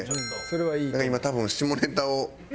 今多分下ネタを。